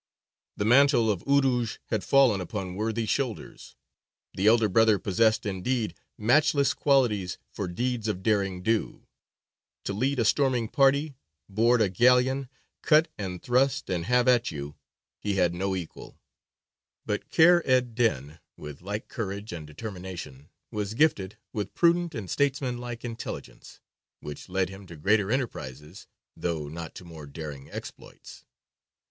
The mantle of Urūj had fallen upon worthy shoulders. The elder brother possessed, indeed, matchless qualities for deeds of derring do; to lead a storming party, board a galleon, cut and thrust and "have at you," he had no equal: but Kheyr ed dīn, with like courage and determination, was gifted with prudent and statesmanlike intelligence, which led him to greater enterprizes, though not to more daring exploits.